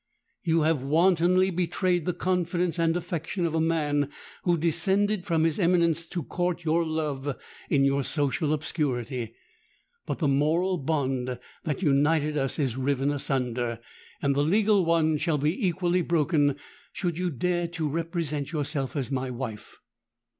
You have wantonly betrayed the confidence and affection of a man who descended from his eminence to court your love in your social obscurity. But the moral bond that united us is riven asunder; and the legal one shall be equally broken should you dare to represent yourself as my wife.